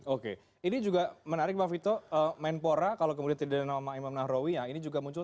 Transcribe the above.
oke ini juga menarik bang vito menpora kalau kemudian tidak ada nama imam nahrawi ya ini juga muncul